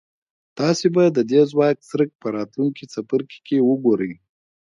تاسې به د دې ځواک څرک په راتلونکي څپرکي کې وګورئ.